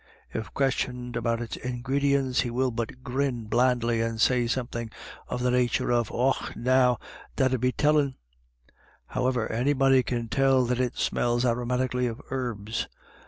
If questioned about its ingredients, he will but grin blandly, and say something of the nature of, " Och now, that 'ud be tellin* "; however, anybody can tell that it smells aromatically of herbs.